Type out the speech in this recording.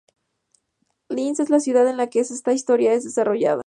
Linz es la ciudad en la que esta historia se desarrolla.